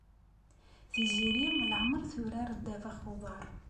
Tiziri leɛmer turar ddabex n uḍar.